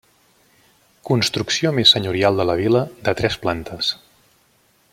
Construcció més senyorial de la vila, de tres plantes.